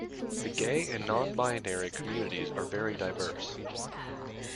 The gay and non-binary communities are very diverse.